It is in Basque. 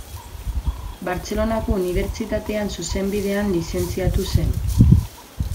Bartzelonako Unibertsitatean Zuzenbidean lizentziatu zen.